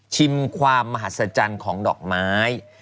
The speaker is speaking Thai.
ชิมความมหัศจรรย์ของดอกไม้